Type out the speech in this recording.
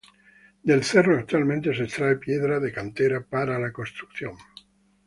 Del cerro actualmente se extrae piedra de cantera para la construcción.